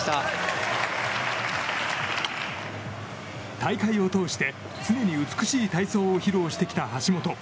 大会を通して常に美しい体操を披露してきた橋本。